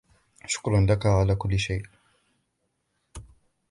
شكرا لك على كل شيء